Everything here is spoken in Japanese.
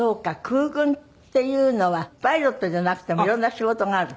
空軍っていうのはパイロットじゃなくても色んな仕事がある？